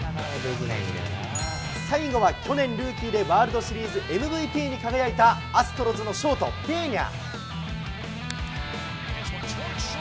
最後は去年、ルーキーでワールドシリーズＭＶＰに輝いた、アストロズのショート、ペーニャ。